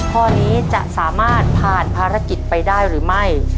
ข้อนี้จะสามารถผ่านภารกิจไปได้หรือไม่